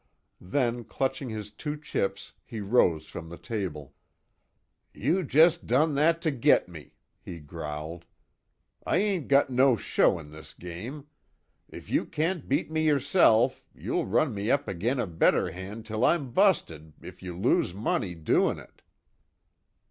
Then clutching his two chips he rose from the table: "You jest done that to git me!" he growled, "I ain't got no show in this game if you can't beat me yerself you'll run me up agin a better hand till I'm busted, if you lose money doin' it!"